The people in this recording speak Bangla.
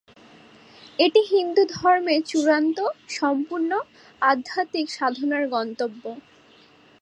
এটি হিন্দু ধর্মে চূড়ান্ত, সম্পূর্ণ, আধ্যাত্মিক সাধনার গন্তব্য।